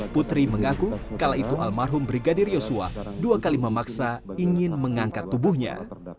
putri mengaku kala itu almarhum brigadir yosua dua kali memaksa ingin mengangkat tubuhnya